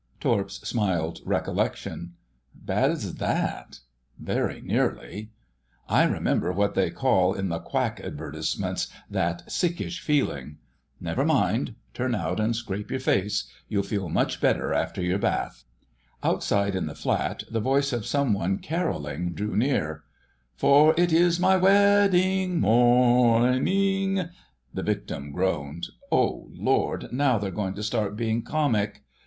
Torps smiled recollection. "Bad's that?" "Very nearly." "I remember—what they call in the quack advertisements 'That Sickish Feeling'! Never mind, turn out and scrape your face; you'll feel much better after your bath——" Outside in the flat the voice of some one carolling drew near— "For ... it is ... my wed—ding _MOR _... ning....!" The victim groaned. "Oh Lord! Now they're going to start being comic."